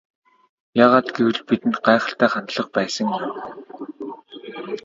Яагаад гэвэл бидэнд гайхалтай хандлага байсан юм.